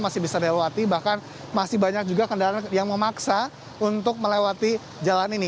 masih bisa dilewati bahkan masih banyak juga kendaraan yang memaksa untuk melewati jalan ini